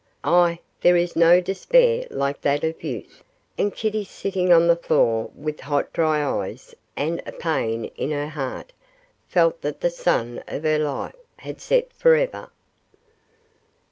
Ah, there is no despair like that of youth; and Kitty, sitting on the floor with hot dry eyes and a pain in her heart, felt that the sun of her life had set for ever.